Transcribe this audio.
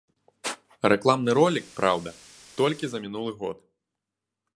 Рэкламны ролік, праўда, толькі за мінулы год.